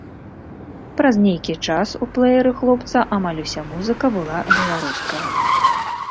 Праз нейкі час у плэеры хлопца амаль уся музыка была беларуская.